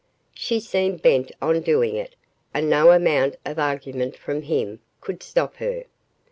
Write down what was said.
She seemed bent on doing it and no amount of argument from him could stop her.